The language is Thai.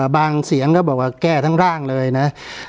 เสียงก็บอกว่าแก้ทั้งร่างเลยนะ